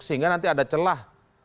sehingga nanti ada celah